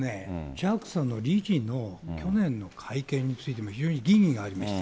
ＪＡＸＡの理事の去年の会見について、非常に疑義がありまして。